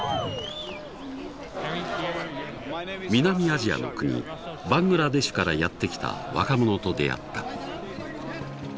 南アジアの国バングラデシュからやって来た若者と出会った。